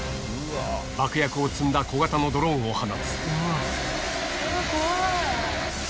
爆薬を積んだ小型のドローンを放つ。